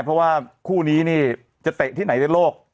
เพราะว่าคู่นี้นี่จะเตะที่ไหนในโลก